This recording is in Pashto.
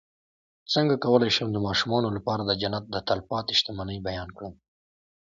څنګه کولی شم د ماشومانو لپاره د جنت د تل پاتې شتمنۍ بیان کړم